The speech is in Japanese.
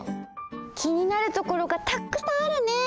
気になるところがたくさんあるね！